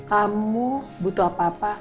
kamu butuh apa apa